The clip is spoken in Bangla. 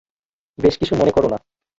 বেশ কিছু মনে কোরো না।